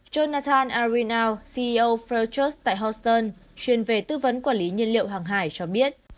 jonathan arinault ceo fairtrade tại houston chuyên về tư vấn quản lý nhân liệu hàng hải cho biết